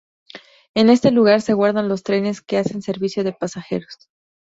En este lugar se guardan los trenes que hacen servicio de pasajeros.